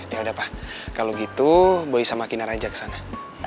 ya udah pak kalau gitu boy sama kinar aja ke sana